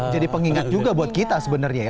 jadi pengingat juga buat kita sebenarnya ya